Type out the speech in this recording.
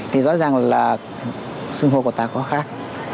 thì rõ ràng là xưng hô của ta có khác